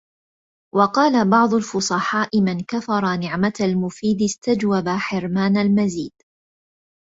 وَقَالَ بَعْضُ الْفُصَحَاءِ مَنْ كَفَرَ نِعْمَةَ الْمُفِيدِ اسْتَوْجَبَ حِرْمَانَ الْمَزِيدِ